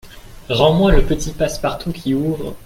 Rends-moi le petit passe-partout qui ouvre…